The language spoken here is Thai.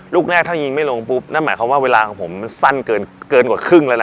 ลูกแรกถ้ายิงไม่ลงปุ๊บนั่นหมายความว่าเวลาของผมมันสั้นเกินกว่าครึ่งแล้วนะ